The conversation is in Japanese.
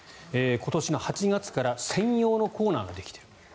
今年の８月から専用のコーナーができています。